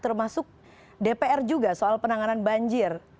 termasuk dpr juga soal penanganan banjir